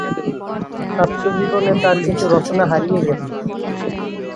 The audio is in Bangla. ছাত্রজীবনে তার কিছু রচনা হারিয়ে গেছে।